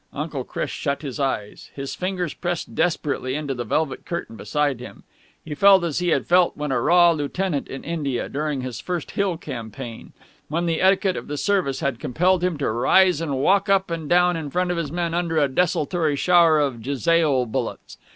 Uncle Chris shut his eyes. His fingers pressed desperately into the velvet curtain beside him. He felt as he had felt when a raw lieutenant in India, during his first hill campaign, when the etiquette of the service had compelled him to rise and walk up and down in front of his men under a desultory shower of jezail bullets.